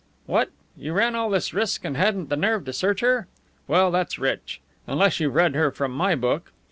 "What, you ran all this risk and hadn't the nerve to search her? Well, that's rich! Unless you've read her from my book.